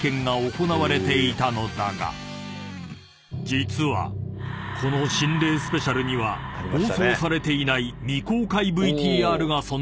［実はこの心霊スペシャルには放送されていない］